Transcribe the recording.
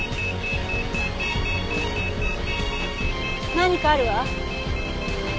何かあるわ。